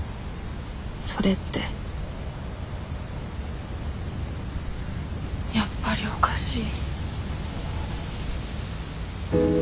それってやっぱりおかしい。